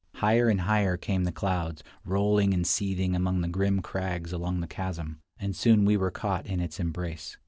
Higher and higher came the clouds, rolling and seething among the grim crags along the chasm; and soon we were caught in its embrace.